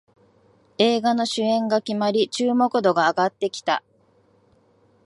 映画の主演が決まり注目度が上がってきた